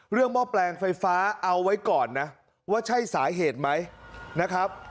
หม้อแปลงไฟฟ้าเอาไว้ก่อนนะว่าใช่สาเหตุไหมนะครับ